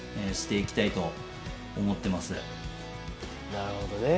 なるほどね。